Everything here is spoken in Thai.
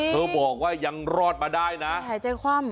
เธอบอกว่ายังรอดมาได้นะ